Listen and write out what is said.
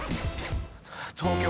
東京。